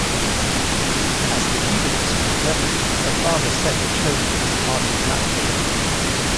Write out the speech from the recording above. As the keynote speaker, Obama set the tone for the party platform.